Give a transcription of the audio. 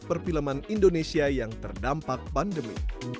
perfilman indonesia yang terdampak pandemi